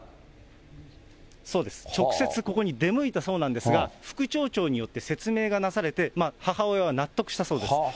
直接ここに出向いたそうなんですが、副町長によって説明がなされて、母親は納得したそうです。